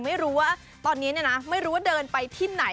ไม่รู้ว่าตอนนี้เนี่ยนะไม่รู้ว่าเดินไปที่ไหน